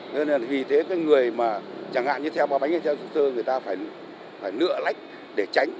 nên là vì thế cái người mà chẳng hạn như theo ba bánh hay theo sơ sơ người ta phải nựa lách để tránh